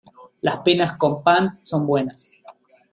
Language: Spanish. Las penas con pan son buenas.